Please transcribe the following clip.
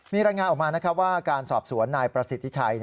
มีรายงานออกมาว่าการสอบสวนนายประสิทธิชัย